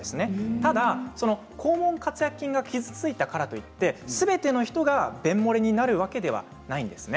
ただ肛門括約筋が傷ついたからといって、すべての人が便もれになるわけではありません。